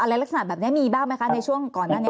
ลักษณะแบบนี้มีบ้างไหมคะในช่วงก่อนหน้านี้